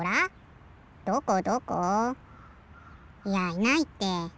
いやいないって。